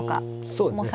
そうですね。